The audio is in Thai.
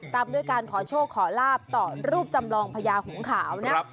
ตามด้วยการขอโชคขอลาบต่อรูปจำลองพญาหุงขาวนะ